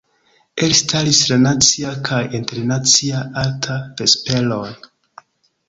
Elstaris la Nacia kaj Internacia Arta Vesperoj.